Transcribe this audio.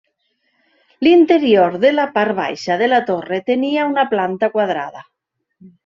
L'interior de la part baixa de la torre tenia una planta quadrada.